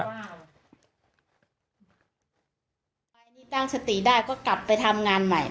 ตั้งสติได้ก็กลับไปทำงานใหม่